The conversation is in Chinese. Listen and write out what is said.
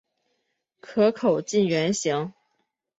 壳口近圆形。